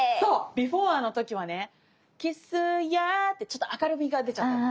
ビフォアの時はねキスやってちょっと明るみが出ちゃったの。